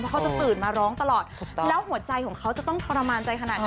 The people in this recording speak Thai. เขาจะตื่นมาร้องตลอดแล้วหัวใจของเขาจะต้องทรมานใจขนาดไหน